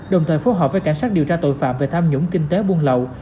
đồng thời phối hợp với cảnh sát điều tra tội phạm về tham nhũng kinh tế buôn lậu